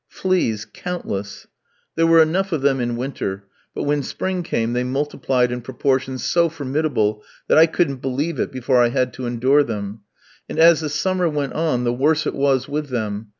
Fleas countless. There were enough of them in winter; but when spring came they multiplied in proportions so formidable that I couldn't believe it before I had to endure them. And as the summer went on the worse it was with them.